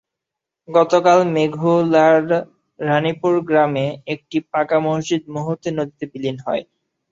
গতকাল মেঘুলার রানীপুর গ্রামে একটি পাকা মসজিদ মুহূর্তে নদীতে বিলীন হয়।